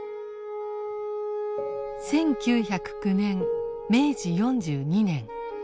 １９０９年明治４２年。